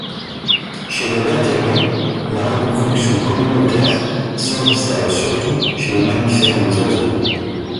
Chez les vertébrés, la reproduction communautaire s’observe surtout chez les mammifères et les oiseaux.